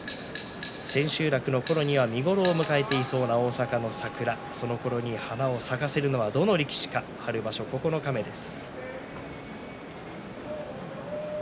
千秋楽のころには見頃を迎えていそうな大阪の桜そのころに花を咲かせるのはどの力士か春場所、九日目です。